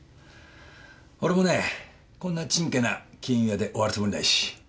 俺もねこんなちんけな金融屋で終わるつもりないし。